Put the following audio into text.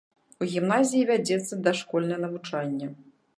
У гімназіі вядзецца дашкольнае навучанне.